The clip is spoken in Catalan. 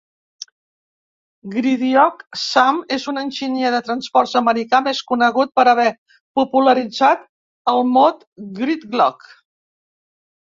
Gridlock Sam, és un enginyer de transports americà, més conegut per haver popularitzat el mot gridlock.